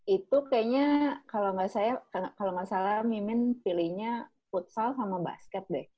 itu kayaknya kalo gak salah mimin pilihnya futsal sama basket deh